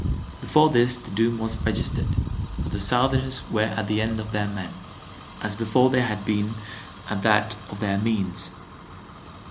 Before this the doom was registered, for the Southerners were at the end of their men, as before they had been at that of their means.